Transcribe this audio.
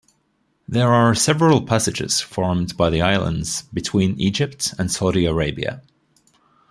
There are several passages formed by the islands between Egypt and Saudi Arabia.